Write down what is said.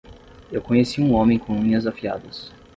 Eu conheci um homem com unhas afiadas.